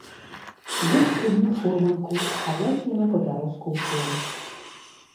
Дзед спыніў фурманку, а я кінуў папяроску ў поле.